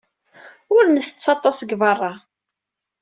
Ur nttett aṭas deg beṛṛa.